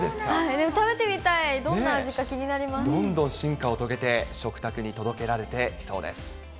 でも食べてみたい、どんな味どんどん進化を遂げて、食卓に届けられてきそうです。